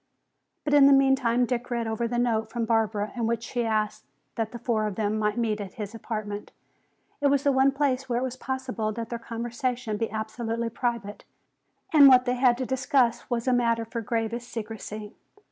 But in the meantime Dick read over the note from Barbara in which she asked that the four of them might meet at his apartment. It was the one place where it was possible that their conversation be absolutely private. And what they had to discuss was a matter for gravest secrecy.